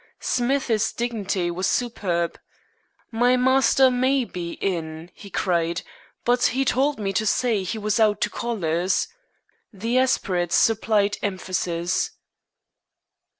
Smith's dignity was superb. "My master may be hin," he cried, "but 'e told me to say 'e was hout to callers." The aspirates supplied emphasis.